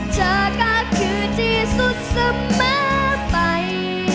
เธอก็คือที่สุดเสมอไป